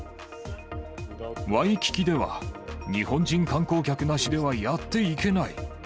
ワイキキでは、日本人観光客なしではやっていけない。